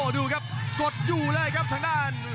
ดูครับกดอยู่เลยครับทางด้าน